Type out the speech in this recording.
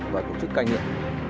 và tổ chức cai nghiện